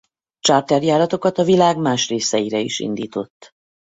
Charterjáratokat a világ más részeire is indított.